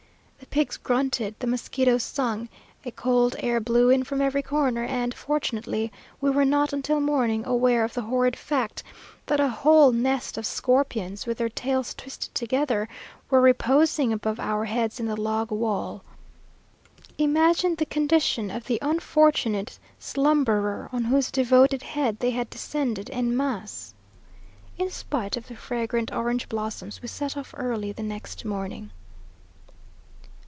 The pigs grunted, the mosquitoes sung, a cold air blew in from every corner, and, fortunately, we were not until morning aware of the horrid fact, that a whole nest of scorpions, with their tails twisted together, were reposing above our heads in the log wall. Imagine the condition of the unfortunate slumberer on whose devoted head they had descended en masse! In spite of the fragrant orange blossom, we set off early the next morning.